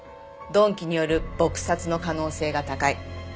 鈍器による撲殺の可能性が高い。